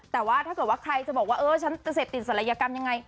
แต่ว่าถ้าเกิดว่าใครจะบอกว่าเออฉันจะเสพติดศัลยกรรมยังไง